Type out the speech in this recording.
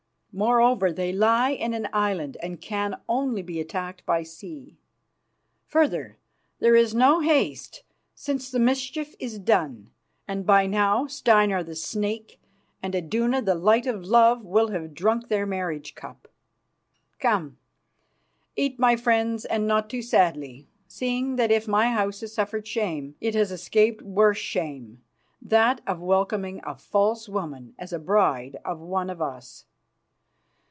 Moreover, they lie in an island, and can only be attacked by sea. Further, there is no haste, since the mischief is done, and by now Steinar the Snake and Iduna the Light of love will have drunk their marriage cup. Come, eat, my friends, and not too sadly, seeing that if my house has suffered shame, it has escaped worse shame, that of welcoming a false woman as a bride of one of us.